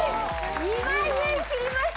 ２万円切りました